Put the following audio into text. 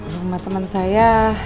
rumah temen saya